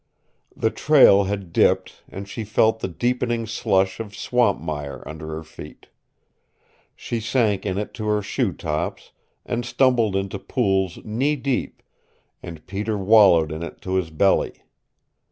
The trail had dipped, and she felt the deepening slush of swamp mire under her feet. She sank in it to her shoe tops, and stumbled into pools knee deep, and Peter wallowed in it to his belly.